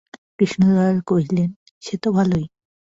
কৃষ্ণদয়াল কহিলেন, সে তো ভালোই।